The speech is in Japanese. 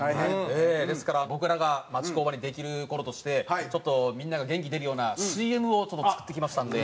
ですから僕らが町工場にできる事としてちょっとみんなが元気出るようなＣＭを作ってきましたんで。